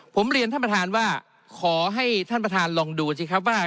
ผมเรียนท่านประธานว่าขอให้ท่านประธานลองดูสิครับว่า